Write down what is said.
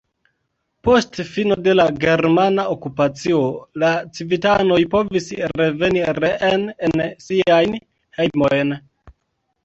Post fino de la germana okupacio la civitanoj povis reveni reen en siajn hejmojn.